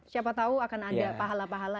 siapa tahu akan ada pahala pahala yang menunggu